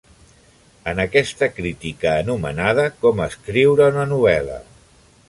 En aquesta crítica anomenada "Com escriure una novel·la"